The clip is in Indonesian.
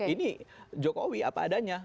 ini jokowi apa adanya